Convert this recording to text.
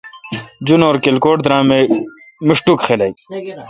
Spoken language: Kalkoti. جنور کلکوٹ درام اے میشٹوک خلق۔